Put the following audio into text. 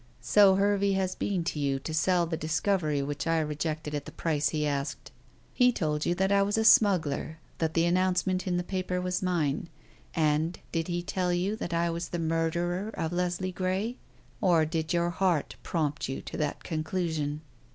"So Hervey has been to you to sell the discovery which I rejected at the price he asked. He told you that I was a smuggler; that the announcement in the paper was mine. And did he tell you that I was the murderer of Leslie Grey? Or did your heart prompt you to that conclusion?"